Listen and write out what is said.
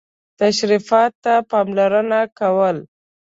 تشریفاتو ته پاملرنه کوله.